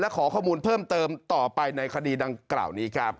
ขอข้อมูลเพิ่มเติมต่อไปในคดีดังกล่าวนี้ครับ